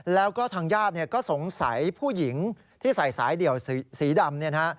แล้วก็ทางญาติก็สงสัยผู้หญิงที่ใส่สายเดี่ยวสีดำเนี่ยนะฮะ